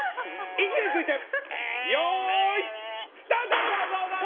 位置についてよーい、スタート！